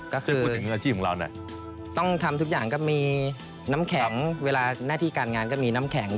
ก็คือต้องทำทุกอย่างก็มีน้ำแข็งเวลาหน้าที่การงานก็มีน้ำแข็ง